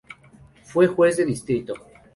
Fue juez de distrito.